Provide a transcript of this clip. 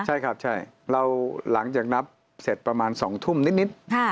ใช่ครับใช่เราหลังจากนับเสร็จประมาณ๒ทุ่มนิด